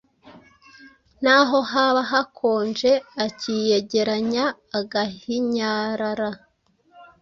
naho haba hakonje akiyegeranya agahinyarara